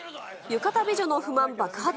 浴衣美女の不満爆発。